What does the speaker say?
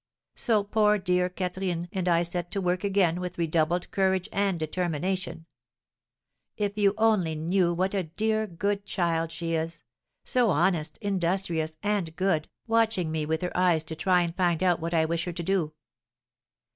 So poor dear Catherine and I set to work again with redoubled courage and determination. If you only knew what a dear, good child she is, so honest, industrious, and good, watching me with her eyes to try and find out what I wish her to do.